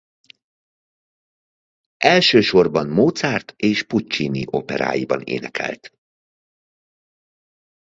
Elsősorban Mozart és Puccini operáiban énekelt.